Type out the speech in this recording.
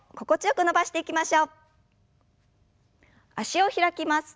脚を開きます。